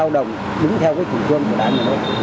đứng theo chủ trương của đảng